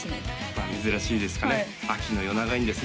まあ珍しいですかね秋の夜長にですね